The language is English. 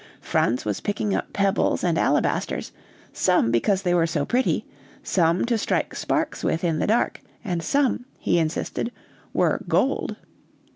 Franz was picking up pebbles and alabasters, some because they were so pretty, some to strike sparks with in the dark, and some, he insisted, were 'gold.'